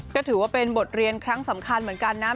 ก็ถือว่าเป็นบทเรียนครั้งสำคัญเหมือนกันนะ